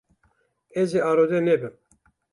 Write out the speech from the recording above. Ez ê arode nebim.